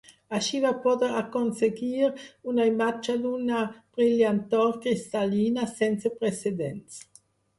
Així va poder aconseguir una imatge d'una brillantor cristal·lina sense precedents.